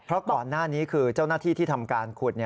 เพราะก่อนหน้านี้คือเจ้าหน้าที่ที่ทำการขุด